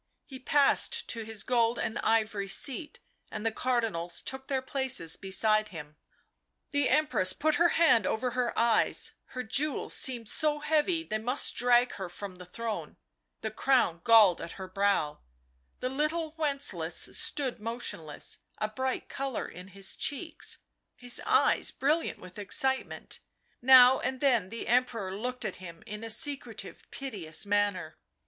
He passed to his gold and ivory seat, and the Cardinals took their places beside him. The Empress put her hand over her eyes; her jewels seemed so heavy they must drag her from the throne, the crown galled her brow ; the little Wencelaus stood motionless, a bright colour in his cheeks, his eyes brilliant with excitement; now and then the Emperor looked at him in a secretive, piteous manner.